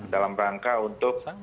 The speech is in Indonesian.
dalam rangka untuk